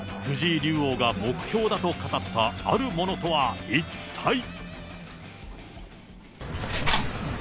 藤井竜王が目標だと語ったあるものとは一体。